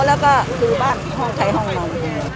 แล้วก็ซื้อบ้านห้องไทยห้องหน่อย